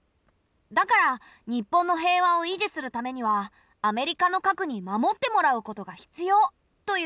だから日本の平和を維持するためにはアメリカの核に守ってもらうことが必要という考えもあるんだ。